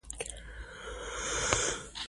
دوی کوم ډول کاروبار لري؟